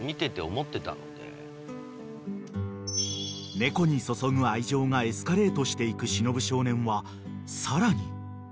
［猫に注ぐ愛情がエスカレートしていく忍少年はさらに］